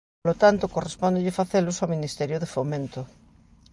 Polo tanto, correspóndelle facelos ao Ministerio de Fomento.